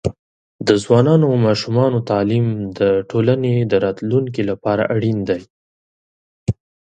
د ځوانانو او ماشومانو تعليم د ټولنې د راتلونکي لپاره اړین دی.